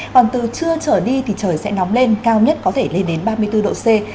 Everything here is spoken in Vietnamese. còn từ trưa trở đi thì trời sẽ nóng lên cao nhất có thể lên đến ba mươi bốn độ c